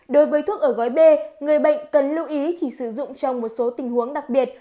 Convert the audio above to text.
đối với thuốc ở gói b người bệnh cần lưu ý chỉ sử dụng trong một số tình huống đặc biệt